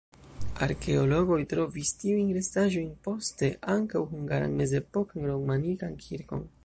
Arkeologoj trovis tiujn restaĵojn, poste ankaŭ hungaran mezepokan romanikan kirkon.